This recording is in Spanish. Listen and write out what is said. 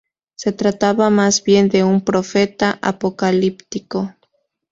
Se trataba, más bien, de un profeta apocalíptico.